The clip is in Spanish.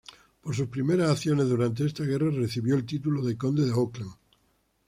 Por sus primeras acciones durante esta guerra, recibió el título de Conde de Auckland.